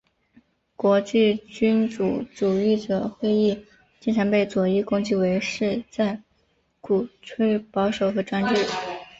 国际君主主义者会议经常被左翼攻击为是在鼓吹保守和专制。